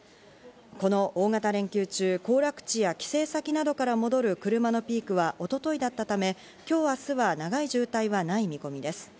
この大型連休中、行楽地や帰省先などから戻る車のピークは一昨日だったため、今日明日は長い渋滞はない見込みです。